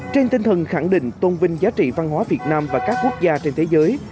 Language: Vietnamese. trên tinh thần khẳng định tôn vinh giá trị văn hóa việt nam và các quốc gia trên thế giới